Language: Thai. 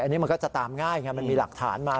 อันนี้มันก็จะตามง่ายไงมันมีหลักฐานมา